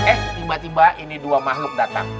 eh tiba tiba ini dua makhluk datang